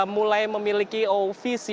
mulai memiliki ofisi